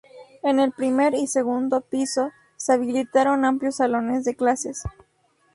En el primer y segundo piso se habilitaron amplios salones de clases.